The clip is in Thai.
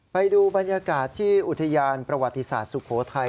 ไปดูบรรยากาศที่อุทยานประวัติศาสตร์สุโขทัย